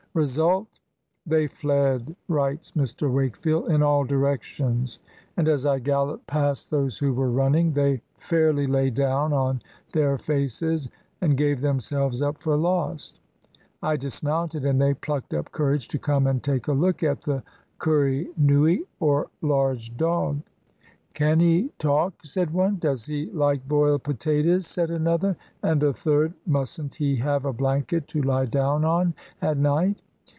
Result — "They fled," writes Mr, Wakefield, "in all directions, and, as I galloped past those who were running, they fairly lay down on their faces and gave themselves up for lost, I dis mounted, and they plucked up courage to come and take a look at the kuri nui, or 'large dog,' 'Can he talk?' said one, 'Does he like boiled potatoes?' said another. And a third, 'Must n't he have a blanket to lie down on at night?'